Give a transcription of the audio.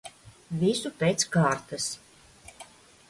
Visu pēc kārtas.